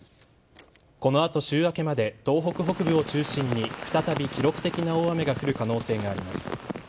この後、週明けまで東北北部を中心に再び記録的な大雨が降る可能性があります。